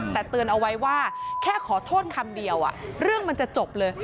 แต่เตือนเอาไว้ว่าแค่ขอโทษคำเดียวเรื่องมันจะจบเลย